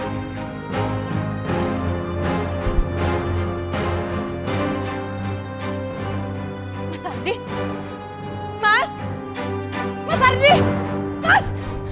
mas andi mas mas ardi mas